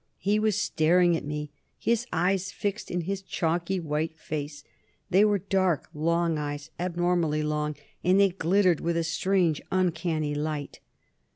He was staring at me, his eyes fixed in his chalky white face. They were dark, long eyes abnormally long and they glittered with a strange, uncanny light.